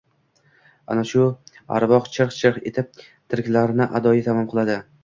Ana shu arvoh chirq-chirq etib... tiriklarni adoyi tamom qiladi!